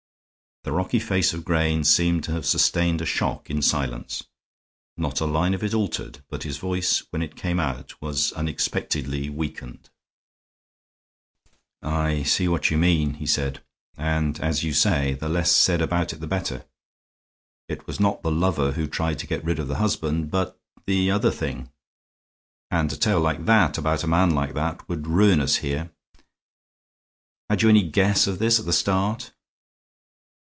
The rocky face of Grayne seemed to have sustained a shock in silence; not a line of it altered, but his voice when it came was unexpectedly weakened. "I see what you mean," he said, "and, as you say, the less said about it the better. It was not the lover who tried to get rid of the husband, but the other thing. And a tale like that about a man like that would ruin us here. Had you any guess of this at the start?"